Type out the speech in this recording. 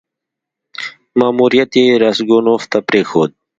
ماموریت یې راسګونوف ته پرېښود.